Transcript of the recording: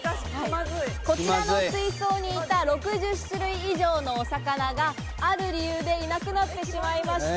こちらの水槽にいた６４種類以上のお魚がある理由でいなくなってしまいました。